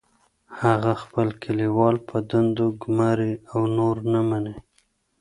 هغه خپل کلیوال په دندو ګماري او نور نه مني